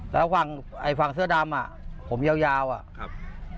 แล้วฝั่งเสื้อดำผมยาวครับ